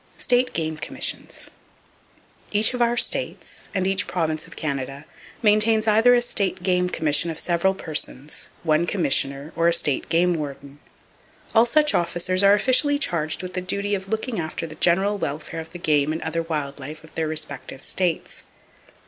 State Game Commissions. —Each of our states, and each province of Canada, maintains either a State Game Commission of several persons, one Commissioner, or a State Game Warden. All such officers are officially charged with the duty of looking after the general welfare of the game and other wild life of their respective states.